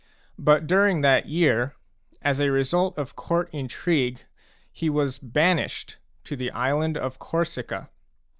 But during that year, as a result of court intrigue, he was banished to the island of Corsica.